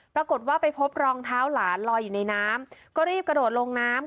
ปรากฏว่าไปพบรองเท้าหลานลอยอยู่ในน้ำก็รีบกระโดดลงน้ำ